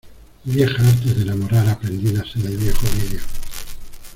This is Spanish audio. ¡ viejas artes de enamorar, aprendidas en el viejo Ovidio!